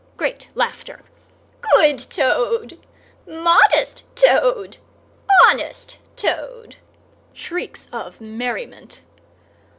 —(great laughter)—"Good Toad, modest Toad, honest Toad!" (shrieks of merriment).